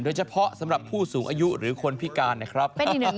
โดยเฉพาะสำหรับผู้สูงอายุหรือคนพิการนะครับ